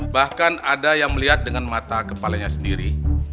bahkan ada yang melihat dengan mata kepalanya sendiri